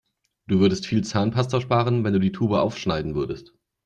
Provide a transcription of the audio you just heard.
Du würdest viel Zahnpasta sparen, wenn du die Tube aufschneiden würdest.